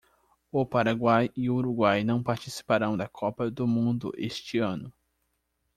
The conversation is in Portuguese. O Paraguai e o Uruguai não participarão da Copa do Mundo este ano.